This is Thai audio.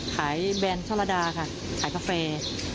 ขายแบรนด์ชอลาดาค่ะขายปาแฟ